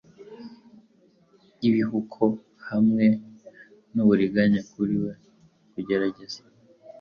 Ibihuko hamwe nuburiganya kuri we kugerageza,